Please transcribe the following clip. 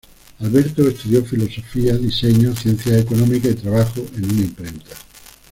Alberto estudió filosofía, diseño, ciencias económicas, y trabajó en una imprenta.